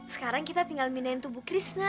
sekarang kita tinggal minain tubuh krishna